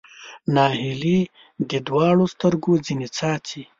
ناهیلي دې دواړو سترګو ځنې څاڅي